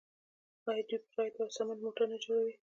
آیا دوی پراید او سمند موټرې نه جوړوي؟